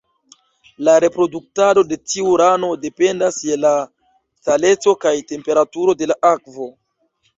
La reproduktado de tiu rano dependas je la saleco kaj temperaturo de la akvo.